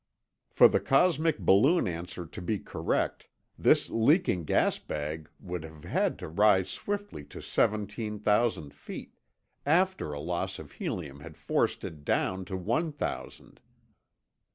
For the cosmic balloon answer to be correct, this leaking gas bag would have had to rise swiftly to seventeen thousand feet—after a loss of helium had forced it down to one thousand.